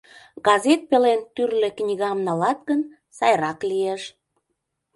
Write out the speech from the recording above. Газет пелен тӱрлӧ книгам налат гын, сайрак лиеш.